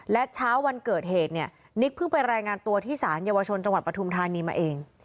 และเช้าวันเกิดเหตุเนี่ยนิกเพิ่งไปรายงานตัวที่สารเยาวชนจังหวัดปฐุมธานีมาเอง